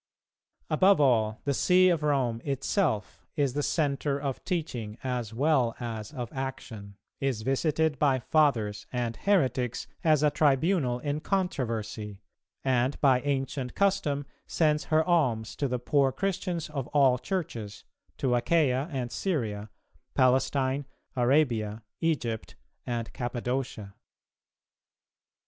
Above all the See of Rome itself is the centre of teaching as well as of action, is visited by Fathers and heretics as a tribunal in controversy, and by ancient custom sends her alms to the poor Christians of all Churches, to Achaia and Syria, Palestine, Arabia, Egypt, and Cappadocia.